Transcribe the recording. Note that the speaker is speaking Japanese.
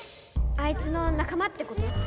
⁉あいつの仲間ってこと？